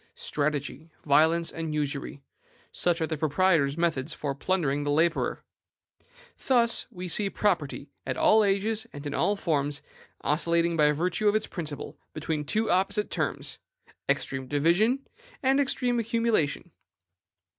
Strategy, violence, and usury, such are the proprietor's methods of plundering the laborer. Thus we see property, at all ages and in all its forms, oscillating by virtue of its principle between two opposite terms, extreme division and extreme accumulation.